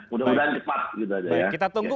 mudah mudahan cepat gitu aja ya kita tunggu